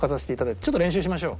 ちょっと練習しましょう。